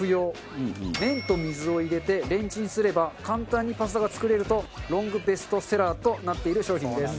麺と水を入れてレンチンすれば簡単にパスタが作れるとロングベストセラーとなっている商品です。